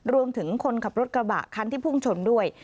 รวมถึงคนขับรถกระบะครั้งที่ภูมิชนด้วย